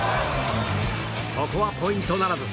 ここはポイントならず。